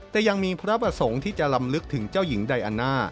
แต่ยังมีพระประสงค์ที่จะลำลึกถึงเจ้าหญิงไดอันน่า